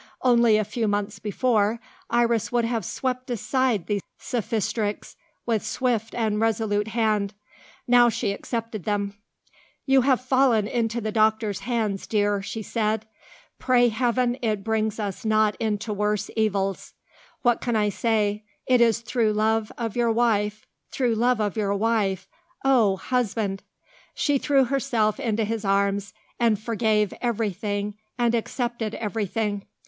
Only a few months before, Iris would have swept aside these sophistrics with swift and resolute hand. Now she accepted them. "You have fallen into the doctor's hands, dear," she said. "Pray Heaven it brings us not into worse evils! What can I say? it is through love of your wife through love of your wife oh! husband!" she threw herself into his arms, and forgave everything and accepted everything.